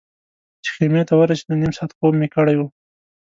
چې خیمې ته ورسېدو نیم ساعت خوب مې کړی و.